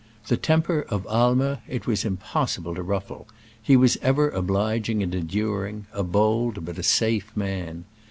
The temper of Aimer it was impossible to ruffle : he was ever oblig ing and enduring — a bold but a safe man.